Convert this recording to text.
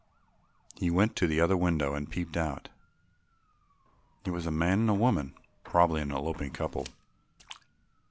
He went to the other window and peeped out. It was a man and a woman, probably an eloping couple!